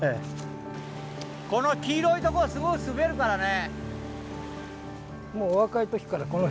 この黄色いとこはすごい滑るからね。